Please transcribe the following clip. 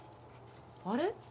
あれ？